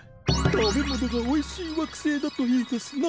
食べ物がおいしい惑星だといいですな。